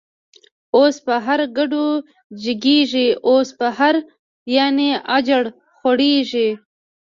اوس په هر کډو جگیږی، اوس په هر”اجړ” خوریږی